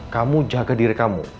kamu jaga diri kamu